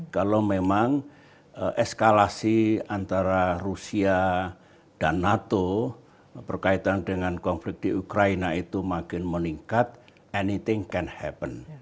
kalau memang eskalasi antara rusia dan nato berkaitan dengan konflik di ukraina itu makin meningkat anything can happen